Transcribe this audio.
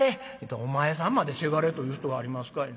「お前さんまで『せがれ』と言う人がありますかいな。